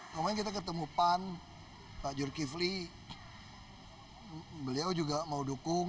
kemarin kita ketemu pan pak jurki fli beliau juga mau dukung